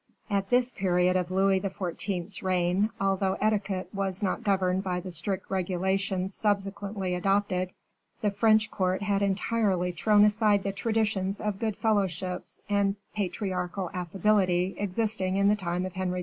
At this period of Louis XIV.'s reign, although etiquette was not governed by the strict regulations subsequently adopted, the French court had entirely thrown aside the traditions of good fellowship and patriarchal affability existing in the time of Henry IV.